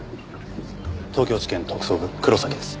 東京地検特捜部黒崎です。